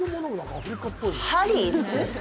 ハリーズ？